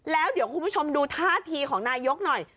แล้วเดี๋ยวคุณผู้ชมดูท่าทีของนายกหน่อย